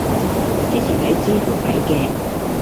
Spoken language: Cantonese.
之前喺知乎睇嘅